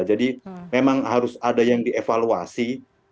jadi memang harus ada yang dievaluasi